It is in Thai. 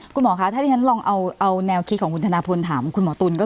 คุณหมอคะถ้าอย่างนั้นลองเอาแนวคิดของคุณธนาพูลถามคุณหมอตุ๋น